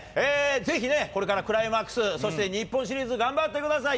ぜひね、これからクライマックス、そして日本シリーズ、頑張ってください！